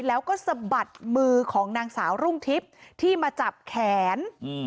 แล้วก็สะบัดมือของนางสาวรุ่งทิพย์ที่มาจับแขน